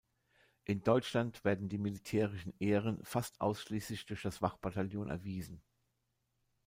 In Deutschland werden die militärischen Ehren fast ausschließlich durch das Wachbataillon erwiesen.